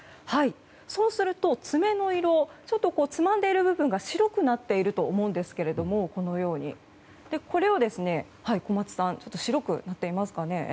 そうすると爪の色ちょっとつまんでいる部分が白くなっていると思うんですけれども小松さん白くなっていますかね？